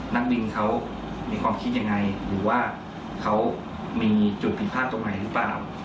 นักบินเขามีความคิดยังไงหรือว่าเขามีจุดผิดพลาดตรงไหนหรือเปล่า